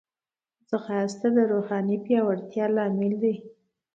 ځغاسته د روحاني پیاوړتیا لامل دی